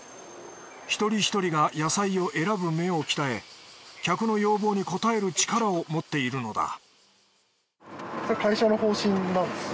一人一人が野菜を選ぶ目を鍛え客の要望に応える力を持っているのだ会社の方針なんですか？